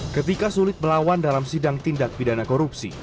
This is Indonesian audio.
ketika sulit melawan dalam sidang tindak pidana korupsi